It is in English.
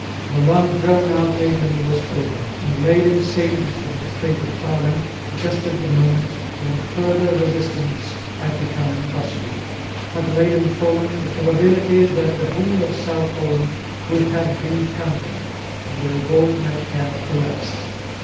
The long drawn out agony was over and Leyden saved from the fate of Haarlem, just at the moment when further resistance had become impossible. Had Leyden fallen the probability is that the whole of South Holland would have been conquered, and the revolt might have collapsed.